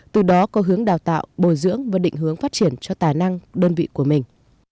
từ đó có hướng đào tạo bồi dưỡng và định hướng phát triển cho tài năng đơn vị của mình